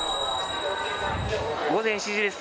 午前７時です。